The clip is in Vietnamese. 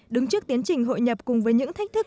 đứng trước tiến trình hội nhập cùng với những thách thức